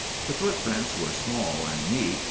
The footprints were small and neat.